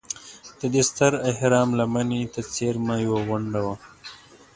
د دې ستر اهرام لمنې ته څېرمه یوه غونډه وه.